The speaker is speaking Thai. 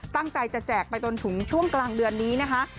ตั้งใจจะแจกไปจนถึงช่วงกลางเดือนนี้นะคะ